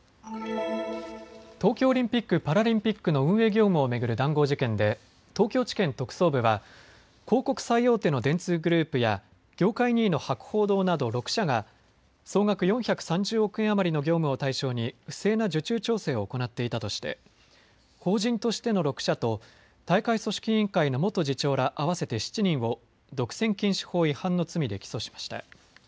東京オリンピック・パラリンピックの運営業務を巡る談合事件で東京地検特捜部は広告最大手の電通グループや業界２位の博報堂など６社が総額４３０億円余りの業務を対象に不正な受注調整を行っていたとして法人としての６社と大会組織委員会の元次長ら合わせて７人を独占禁止法違反の罪で起訴しました。